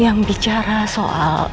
yang bicara soal